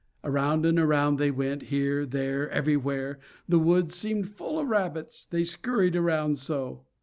Around and around they went, here, there, everywhere, the woods seemed full of rabbits, they scurried around so.